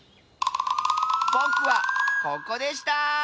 ぼくはここでした！